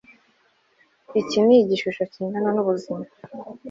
Iki ni igishusho kingana nubuzima